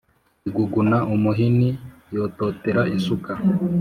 Iguguna umuhini yototera isuka.